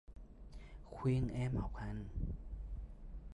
khuyên em học hành